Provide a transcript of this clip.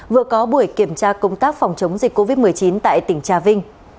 vừa có buổi kiểm tra công tác phòng chống dịch covid một mươi chín tại tỉnh trà vinh